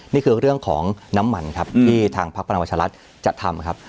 นี่คือเรื่องของน้ำมันครับที่ทางภาคประนักวัชฌาลัศน์จะทำครับ